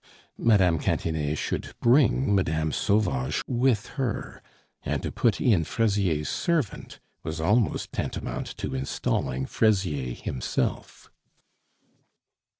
Mme. Cantinet should bring Mme. Sauvage with her, and to put in Fraisier's servant was almost tantamount to installing Fraisier himself.